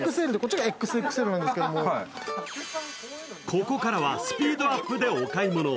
ここからはスピードアップでお買い物。